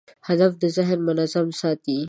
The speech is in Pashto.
هدف ذهن منظم ساتي.